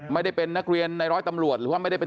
ไม่ได้เป็นนักเรียนในร้อยตำรวจหรือว่าไม่ได้เป็น